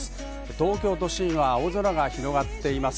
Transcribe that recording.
東京都心は青空が広がっています。